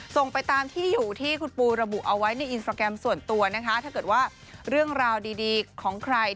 ส่งไปตามที่อยู่ที่คุณปูระบุเอาไว้ในอินสตราแกรมส่วนตัวนะคะถ้าเกิดว่าเรื่องราวดีของใคร